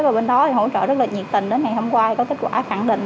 và bên đó hỗ trợ rất là nhiệt tình đến ngày hôm qua có kết quả khẳng định